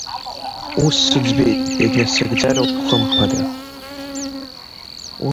Ус сыӡбеит, иагьынасыгӡароуп хымԥада.